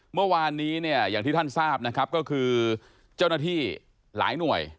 เมื่อวานนี้เนี่ยอย่างที่ท่านทราบนะครับก็คือเจ้าหน้าที่หลายหน่วย